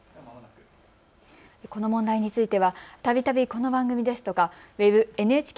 この問題については、たびたびこの番組ですとか、ＷＥＢＮＨＫ